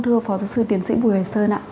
thưa phó giáo sư tiến sĩ bùi hoài sơn ạ